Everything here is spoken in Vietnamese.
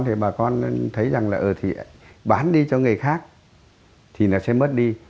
thì bà con thấy rằng là bán đi cho người khác thì nó sẽ mất đi